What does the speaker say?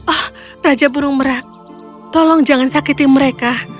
oh raja burung merak tolong jangan sakiti mereka